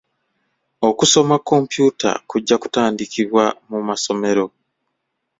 Okusoma kompyuta kujja kutandikibwa mu masomero.